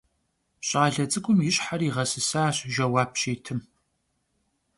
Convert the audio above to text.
Ş'ale ts'ık'um yi şher yiğesısaş jjeuap şitım.